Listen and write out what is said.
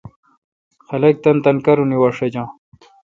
خلق تانی تانی کار وا ݭجا۔